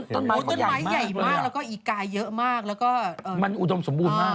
ต้นไม้ใหญ่มากแล้วก็อีกกายเยอะมากมันอุดมสมบูรณ์มาก